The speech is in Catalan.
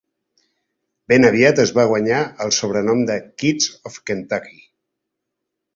Ben aviat es va guanyar el sobrenom de "Keats of Kentucky".